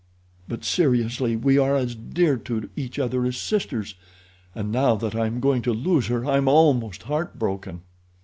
But seriously we are as dear to each other as sisters, and now that I am going to lose her I am almost heartbroken."